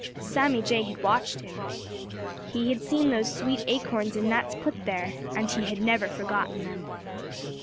Sammy Jay had watched him. He had seen those sweet acorns and nuts put there, and he had never forgotten them.